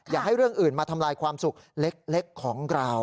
อย่าให้เรื่องอื่นมาทำลายความสุขเล็กของเรา